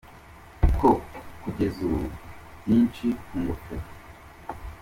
ko kugeza ubu. byinshi ku ngofero.